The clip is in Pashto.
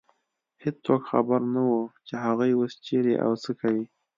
هېڅوک خبر نه و، چې هغوی اوس چېرې او څه کوي.